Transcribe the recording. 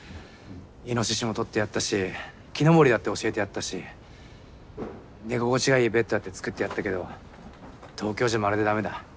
いのししも獲ってやったし木登りだって教えてやったし寝心地がいいベッドだって作ってやったけど東京じゃまるでダメだ。